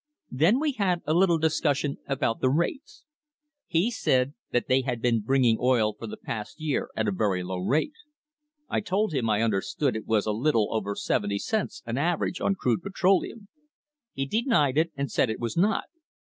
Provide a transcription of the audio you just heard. Then we had a little discussion about the rates. He said that they had been bringing oil for the past year at a very low rate. I told him I under stood it was a little over seventy cents an average on crude petroleum. He denied it, and said it was not.